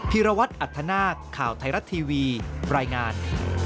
ีรวัตรอัธนาคข่าวไทยรัฐทีวีรายงาน